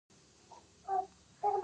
پانکریاس هضم کې مرسته کوي.